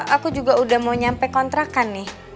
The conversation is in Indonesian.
aku juga udah mau nyampe kontrakan nih